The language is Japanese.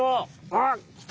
あっきた！